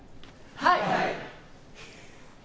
はい！